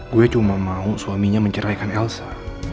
gue cuma mau suaminya menceraikan elsa